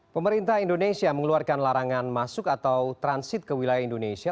pemerintah indonesia mengeluarkan larangan masuk atau transit ke wilayah indonesia